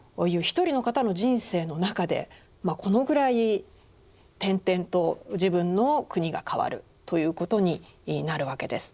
一人の方の人生の中でこのぐらい転々と自分の国が変わるということになるわけです。